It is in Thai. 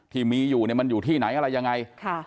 ที่มีอยู่มันอยู่ที่ไหนอะไรยังไง